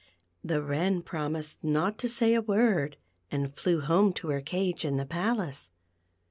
The Wren promised not to say a word, and flew home to her cage in the palace.